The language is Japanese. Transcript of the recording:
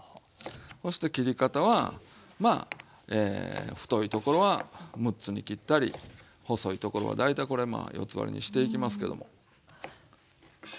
そして切り方はまあ太いところは６つに切ったり細いところは大体これまあ４つ割りにしていきますけども。ね。